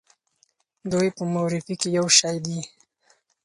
دوی په مورفي کې یو شی دي.